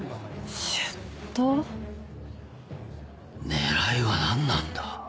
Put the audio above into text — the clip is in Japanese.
狙いは何なんだ？